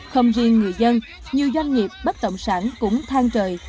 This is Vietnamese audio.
không riêng người dân nhiều doanh nghiệp bất động sản cũng thang trời